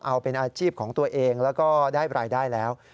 เอาเป็นอาชีพของตัวเองแล้วก็ได้รายได้แล้ว